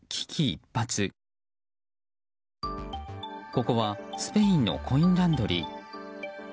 ここはスペインのコインランドリー。